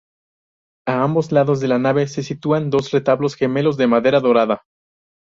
A ambos lados de la nave se sitúan dos retablos gemelos de madera dorada.